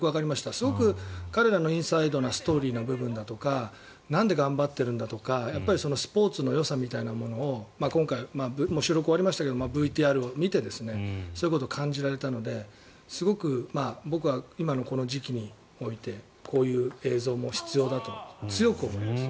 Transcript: すごく彼らのインサイドなストーリーの部分だとかなんで頑張ってるんだとかスポーツのよさみたいなものを今回、もう収録終わりましたがＶＴＲを見てそういうことを感じられたので僕はすごくこの時期においてこういう映像も必要だと強く思います。